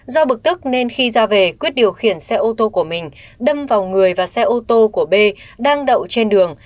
do bực tức nên khi ra về quyết điều khiển xe ô tô của mình đâm vào người và xe ô tô của b đang đậu trên đường